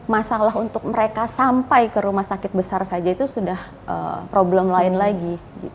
masalah untuk mereka sampai ke rumah sakit besar saja itu sudah problem lain lagi